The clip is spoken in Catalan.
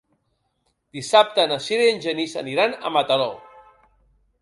Dissabte na Sira i en Genís aniran a Mataró.